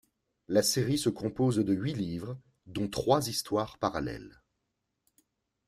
La série se compose de huit livres, dont trois histoires parallèles.